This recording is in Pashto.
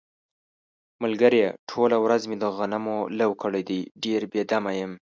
ملگریه ټوله ورځ مې د غنمو لو کړی دی، ډېر بې دمه یم.